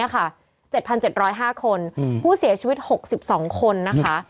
๗๗๐๕คนผู้เสียชีวิต๖๒คนนะคะ